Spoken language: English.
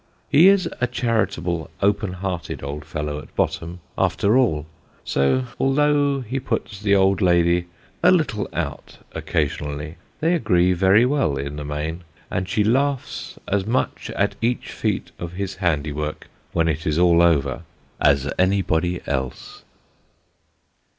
He is a charitable, open hearted old fellow at bottom, after all ; so, although he puts the old lady a little out occasionally, they agree very well in the main, and she laughs as much at each feat of his handiwork when it is all over, as anybody else.